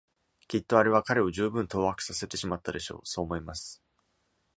きっとあれは彼を十分当惑させてしまったでしょう、そう思います。